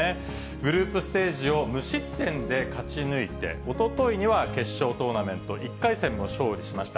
グループステージを無失点で勝ち抜いて、おとといには決勝トーナメント１回戦も勝利しました。